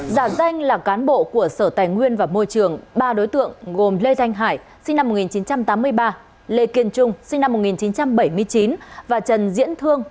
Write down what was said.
giả danh là cán bộ của sở tài nguyên và môi trường ba đối tượng gồm lê thanh hải sinh năm một nghìn chín trăm tám mươi ba lê kiên trung sinh năm một nghìn chín trăm bảy mươi chín và trần diễn thương